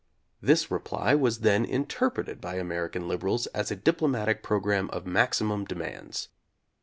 This reply was then interpreted by American liberals as a diplomatic programme of maximum demands.